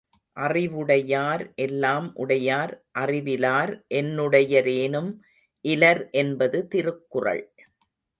அறிவுடையார் எல்லாம் உடையார் அறிவிலார் என்னுடைய ரேனும் இலர் என்பது திருக்குறள்.